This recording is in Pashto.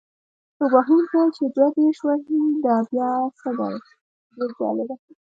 توپ وهونکی چې دوه دېرش وهي دا بیا څه دی؟ ډېر جالبه.